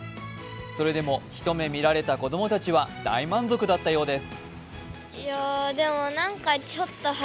それでも一目見られた子供たちは大満足だったようです。